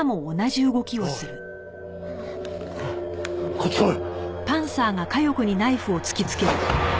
こっち来い！